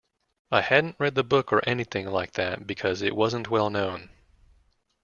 I hadn't read the book or anything like that because it wasn't well-known.